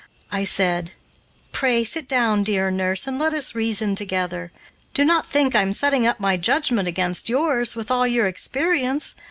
I said, "Pray, sit down, dear nurse, and let us reason together. Do not think I am setting up my judgment against yours, with all your experience.